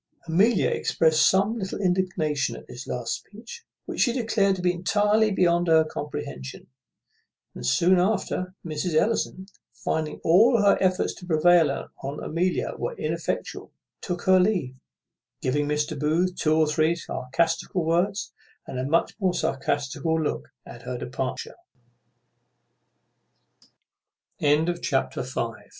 Amelia exprest some little indignation at this last speech, which she declared to be entirely beyond her comprehension; and soon after, Mrs. Ellison, finding all her efforts to prevail on Amelia were ineffectual, took her leave, giving Mr. Booth two or three sarcastical words, and a much more sarcastical look, at her departure. Chapter vi. _A scene in which some ladies will possibly t